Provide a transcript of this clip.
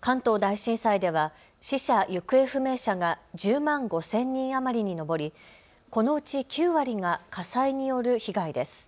関東大震災では死者・行方不明者が１０万５０００人余りに上りこのうち９割が火災による被害です。